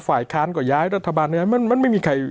ฝ่ายค้านก็ย้ายรัฐบาลย้ายมันไม่มีใคร